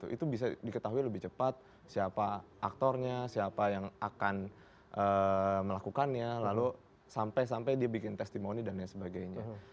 itu bisa diketahui lebih cepat siapa aktornya siapa yang akan melakukannya lalu sampai sampai dia bikin testimoni dan lain sebagainya